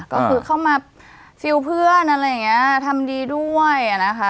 ก็คือเข้ามาฟิลล์เพื่อนอะไรอย่างนี้ทำดีด้วยนะคะ